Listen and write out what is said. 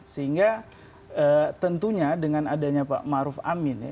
sehingga tentunya dengan adanya pak maruf amin